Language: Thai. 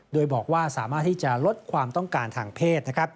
โดยบอกว่าสามารถที่จะลดความต้องการทางเพศ